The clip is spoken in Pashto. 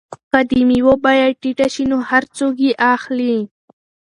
که د مېوو بیه ټیټه شي نو هر څوک یې اخلي.